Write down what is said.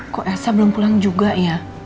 kok elsa belum pulang juga ya